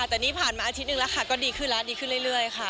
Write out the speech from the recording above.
ตอนนี้ผ่านมาอาทิตย์นึงแล้วก็ดีขึ้นและดีขึ้นเรื่อย